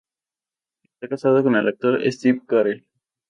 Está casada con el actor Steve Carell.